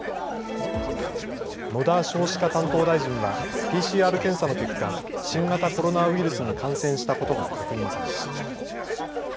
野田少子化担当大臣はＰＣＲ検査の結果、新型コロナウイルスに感染したことが確認されました。